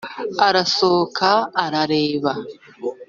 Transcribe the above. arasohoka arareba